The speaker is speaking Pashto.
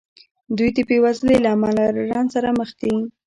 دوی د بېوزلۍ له امله له رنځ سره مخ دي.